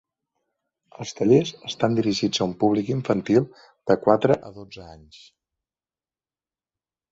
Els tallers estan dirigits a un públic infantil de quatre a dotze anys.